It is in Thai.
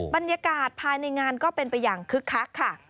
บรรยากาศภายในงานก็เป็นไปอย่างคึกคักค่ะ